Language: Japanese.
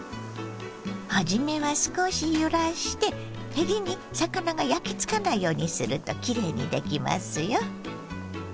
初めは少し揺らしてへりに魚が焼きつかないようにするときれいにできますよ。